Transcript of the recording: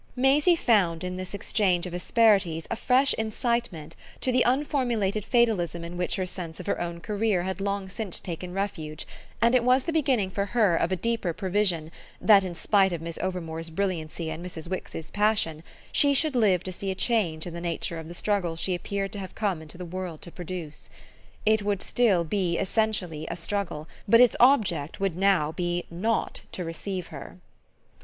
Maisie found in this exchange of asperities a fresh incitement to the unformulated fatalism in which her sense of her own career had long since taken refuge; and it was the beginning for her of a deeper prevision that, in spite of Miss Overmore's brilliancy and Mrs. Wix's passion, she should live to see a change in the nature of the struggle she appeared to have come into the world to produce. It would still be essentially a struggle, but its object would now be NOT to receive her.